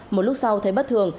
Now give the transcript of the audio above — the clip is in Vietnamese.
một lúc sau thấy bất thường